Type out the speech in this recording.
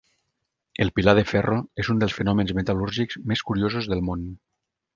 El pilar de ferro és un dels fenòmens metal·lúrgics més curiosos del món.